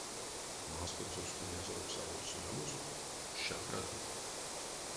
Масторсост инязорокс аволь содамозо — шабразо.